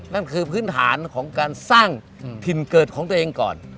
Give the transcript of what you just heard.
นั่นคือพื้นฐานของการสร้างถิ่นเกิดของตัวเองก่อน